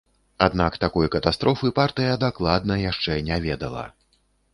Аднак такой катастрофы партыя дакладна яшчэ не ведала.